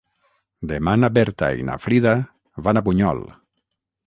Demà na Berta i na Frida van a Bunyol.